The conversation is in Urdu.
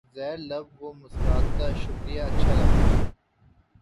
زیر لب وہ مسکراتا شکریہ اچھا لگا